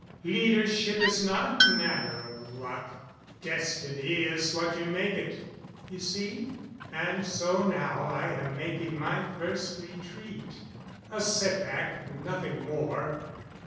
Leadership is not a matter of luck. Destiny is what you make it. You see? "And so now I am making my first retreat. A set back, nothing more.